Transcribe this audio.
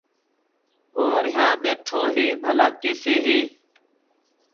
اور يهآنٚ ٻيٺو هي ڀلآ ڪيسي هي۔